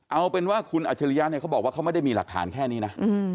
เอาเป็นว่าคุณอัจฉริยะเนี่ยเขาบอกว่าเขาไม่ได้มีหลักฐานแค่นี้นะ